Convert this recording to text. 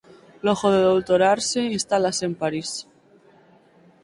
Logo de doutorarse instálase en París.